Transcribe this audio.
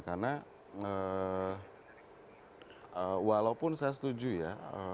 karena walaupun saya setuju ya